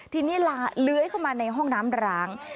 ทีนี้เลื้อยเข้ามาในห้องน้ำร้าง